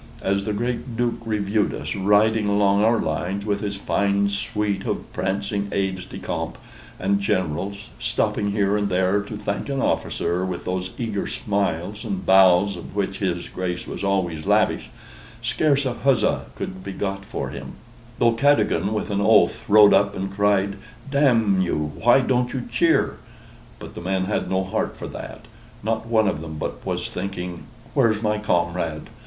As the great Duke reviewed us, riding along our lines with his fine suite of prancing aides de camp and generals, stopping here and there to thank an officer with those eager smiles and bows of which his Grace was always lavish, scarce a huzzah could be got for him, though Cadogan, with an oath, rode up and cried "D n you, why don't you cheer?" But the men had no heart for that: not one of them but was thinking, "Where's my comrade?